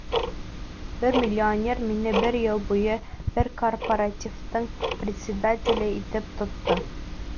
Бер миллионер мине бер йыл буйы бер кооперативтың председателе итеп тотто.